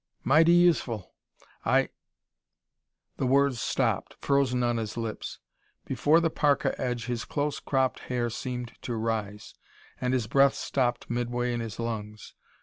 "Mighty useful. I " The words stopped, frozen on his lips. Before the parka edge his close cropped hair seemed to rise, and his breath stopped midway in his lungs.